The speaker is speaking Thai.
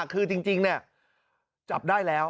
คือจริงจับได้แล้ว